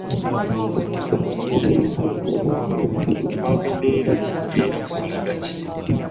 Okunoonyereza okwo okwakolebwa kwagenderera ki era kwalaga ki?